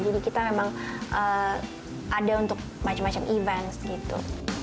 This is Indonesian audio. jadi kita memang ada untuk macam macam event gitu